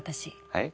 はい？